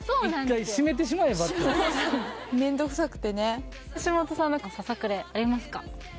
一回閉めてしまえば面倒くさくてね橋本さんは何かささくれありますか？